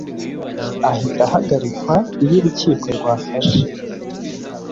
ahita ahagarikwa iyo urukiko rwafashe